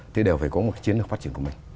thì đều phải có một chiến lược phát triển của mình